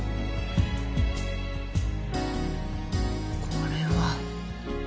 これは。